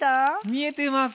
見えてます。